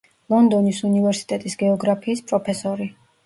ლონდონის უნივერსიტეტის გეოგრაფიის პროფესორი.